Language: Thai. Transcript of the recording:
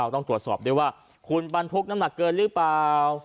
ต้องตรวจสอบด้วยว่าคุณบรรทุกน้ำหนักเกินหรือเปล่า